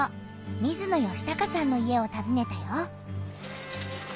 水野嘉孝さんの家をたずねたよ。